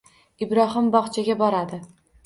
Ibrohim bog'chaga boradi